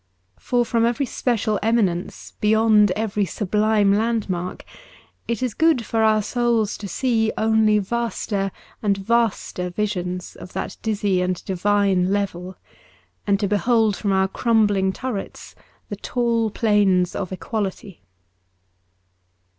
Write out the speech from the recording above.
For from every special eminence beyond every sublime landmark, it is good for our souls to see only vaster and vaster visions of that dizzy and divine level, and to behold from our crumbling turrets the tall plains of equality.